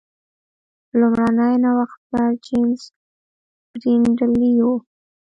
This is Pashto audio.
لومړنی نوښتګر جېمز برینډلي و.